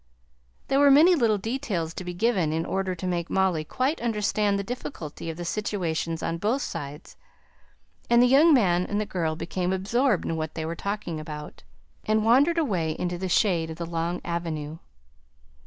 There were many little details to be given in order to make Molly quite understand the difficulty of the situations on both sides; and the young man and the girl became absorbed in what they were talking about, and wandered away into the shade of the long avenue.